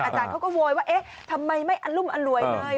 อาจารย์เขาก็โวยว่าเอ๊ะทำไมไม่อลุ่มอร่วยเลย